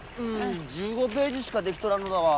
１５ページしかできとらんのだわ。